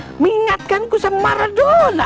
mengingatkanku sama maradona